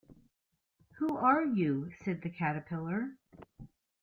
‘Who are you?’ said the Caterpillar.